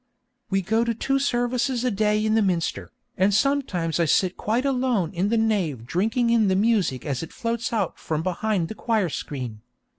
We go to two services a day in the minster, and sometimes I sit quite alone in the nave drinking in the music as it floats out from behind the choir screen.